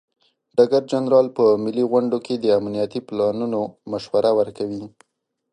ډګر جنرال په ملي غونډو کې د امنیتي پلانونو مشوره ورکوي.